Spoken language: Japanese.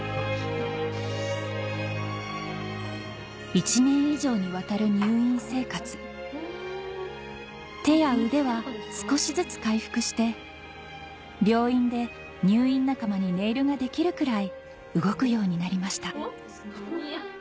１年以上にわたる入院生活手や腕は少しずつ回復して病院で入院仲間にネイルができるくらい動くようになりました